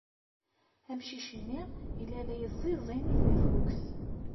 Amcic-nni yella la yeẓẓiẓin i tafukt.